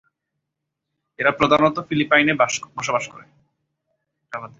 এরা প্রধানত ফিলিপাইনে বসবাস করে।